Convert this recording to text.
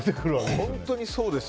本当にそうですよ。